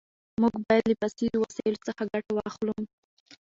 موږ بايد له پيسيزو وسايلو ښه ګټه واخلو.